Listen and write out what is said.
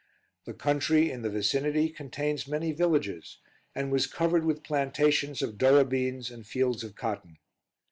The country, in the vicinity, contains many villages, and was covered with plantations of durra beans and fields of cotton.